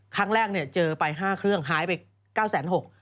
ครั้งแรกเนี่ยเจอไป๕เครื่องหายไป๙๖๐๐บาท